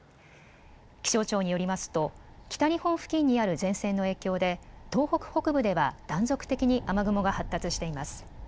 気象庁によりますと北日本付近にある前線の影響で東北北部では断続的に雨雲が発達しています。